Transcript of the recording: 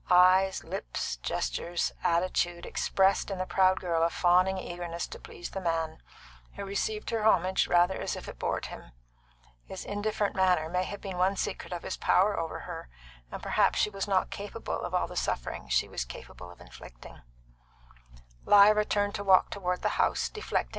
Eyes, lips, gestures, attitude expressed in the proud girl a fawning eagerness to please the man, who received her homage rather as if it bored him. His indifferent manner may have been one secret of his power over her, and perhaps she was not capable of all the suffering she was capable of inflicting.